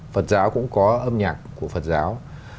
phật giáo cũng có âm nhạc của phật giáo